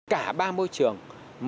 cả ba môi trường